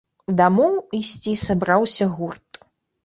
Дамоў ісці сабраўся гурт.